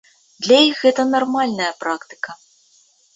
Для іх гэта нармальная практыка.